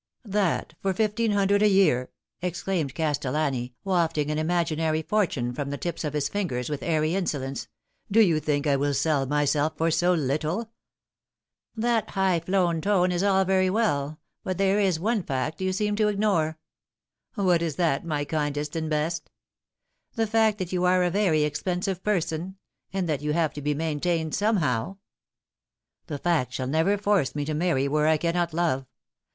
"That for fifteen hundred a year!" exclaimed Castellani, wafting an imaginary fortune from the tips of his fingers with airy insolence. " Do you think I will sell myself for so little ?"" That high flown tone is all very well ; but there is one fact you seem to ignore." " What is that, my kindest and best ?"" The fact that you are a very expensive person, and that you have to be maintained somehow." " That fact shall never force me to marry where I cannot love.